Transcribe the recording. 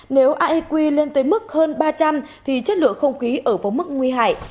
nếu aqi lên tới mức hơn ba trăm linh thì chất lượng không khí ở vòng mức nguy hại